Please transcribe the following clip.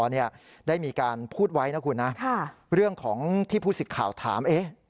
เนี่ยได้มีการพูดไว้นะคุณนะเรื่องของที่ผู้สิทธิ์ข่าวถาม